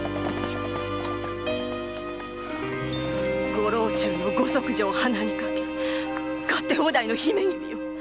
御老中のご息女を鼻にかけ勝手放題の姫君よ！